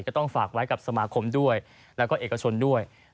ก็ต้องฝากไว้กับสมาคมด้วยแล้วก็เอกชนด้วย